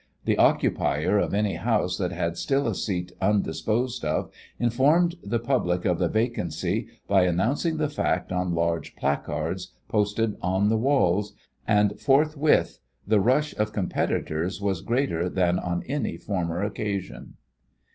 The occupier of any house that had still a seat undisposed of informed the public of the vacancy by announcing the fact on large placards posted on the walls, and forthwith the rush of competitors was greater than on any former occasion."